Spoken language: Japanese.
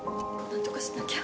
何とかしなきゃ。